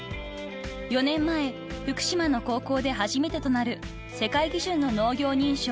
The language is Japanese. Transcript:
［４年前福島の高校で初めてとなる世界基準の農業認証